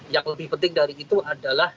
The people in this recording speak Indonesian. yang lebih penting dari itu adalah